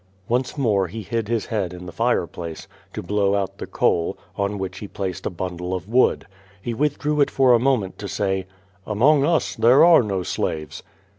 Once more he hid his head in the fireplace, to blow out the QUO TADIS. 203 coal, on which he placed a bundle of wood. He withdrew it for a moment to say: Among us there are no slaA'es."